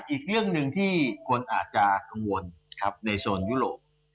อีกเรื่องหนึ่งที่คนอาจจะกังวลในโซนยุโรป